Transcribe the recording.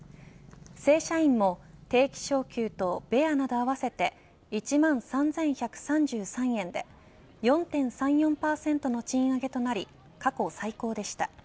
正社員も定期昇給とベアなど合わせて１万３１３３円で４．３４％の賃上げとなり過去最高でした。